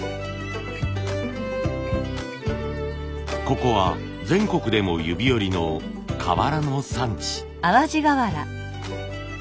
ここは全国でも指折りの瓦の産地。